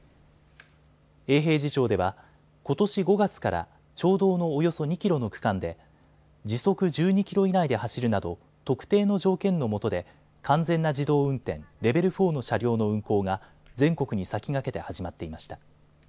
永平寺町ではことし５月から町道のおよそ２キロの区間で時速１２キロ以内で走るなど特定の条件のもとで完全な自動運転、レベル４の車両の運行が全国に先駆けて始まっていました。